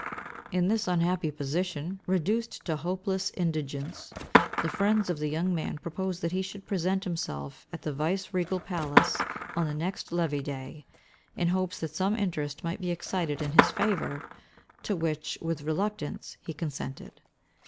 In this unhappy position, reduced to hopeless indigence, the friends of the young man proposed that he should present himself at the vice regal palace, on the next levee day, in hopes that some interest might be excited in his favor; to which, with reluctance, he consented.